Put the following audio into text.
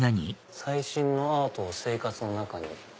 「最新のＡＲＴを生活の中に」。